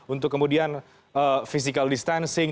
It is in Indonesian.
untuk kemudian physical distancing